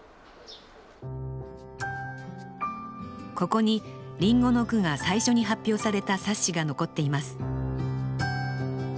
ここに林檎の句が最初に発表された冊子が残っています